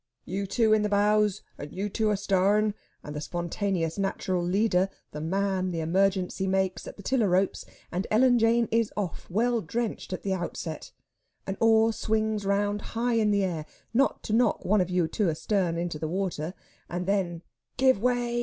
You two in the bows, and you two astarn, and the spontaneous natural leader the man the emergency makes at the tiller ropes, and Ellen Jane is off, well drenched at the outset. An oar swings round high in the air, not to knock one of you two astarn into the water, and then, "Give way!"